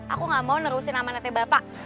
aku gak mau nerusin amanatnya bapak